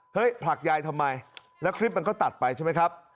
ผลักยายทำไมแล้วคลิปมันก็ตัดไปใช่ไหมครับ